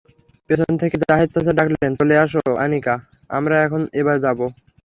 পেছন থেকে জাহেদ চাচা ডাকলেন, চলে এসো আনিকা, আমরা এবার যাব।